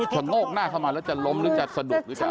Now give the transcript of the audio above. โงกหน้าเข้ามาแล้วจะล้มหรือจะสะดุดหรือจะ